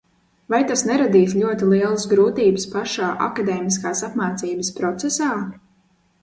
Vai tas neradīs ļoti lielas grūtības pašā akadēmiskās apmācības procesā?